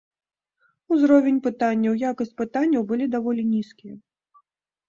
Узровень пытанняў, якасць пытанняў былі даволі нізкія.